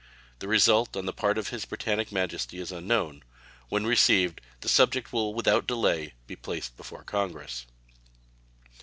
The result on the part of His Britannic Majesty is unknown. When received, the subject will without delay be placed before Congress.